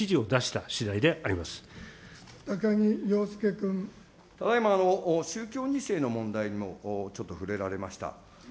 ただいま宗教２世の問題にも、ちょっとふれられました。